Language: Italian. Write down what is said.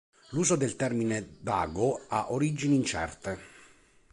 L'uso del termine "Dago" ha origini incerte.